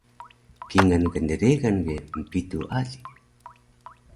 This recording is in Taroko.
Kingal gndregan ge mpitu ali